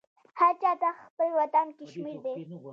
هرچاته خپل وطن کشمیردی